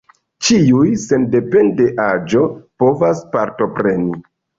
Ĉiuj, sendepende de aĝo, povas partopreni.